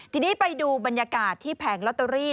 ทีนี้ไปดูบรรยากาศที่แผงลอตเตอรี่